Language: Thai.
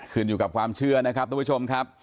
ขึ้นอยู่กับความเชื่อนะครับทุกผู้ชมครับ